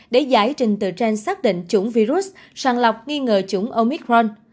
để giải trình tựa tranh xác định chủng virus sàn lọc nghi ngờ chủng omicron